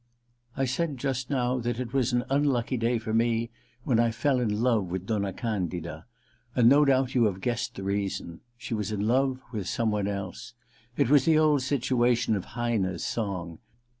I said just now that it was an unlucky day for me when I fell in love with Donna Candida ; and no doubt you have guessed the reason. She was in love with some one else. It was the old situation of Heine's song.